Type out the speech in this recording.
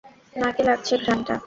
নাকে লাগছে ঘ্রাণটা?